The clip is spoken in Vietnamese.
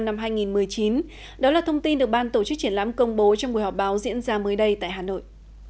năm hai nghìn một mươi chín đó là thông tin được ban tổ chức triển lãm công bố trong buổi họp báo diễn ra mới đây tại hà nội